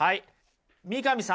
三上さん